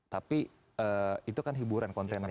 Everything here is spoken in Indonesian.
tapi itu kan hiburan kontainer